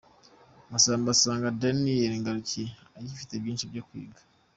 Masamba asanga Danyeli Ngarukiye agifite byinshi byo kwiga